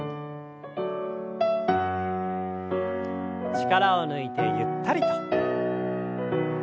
力を抜いてゆったりと。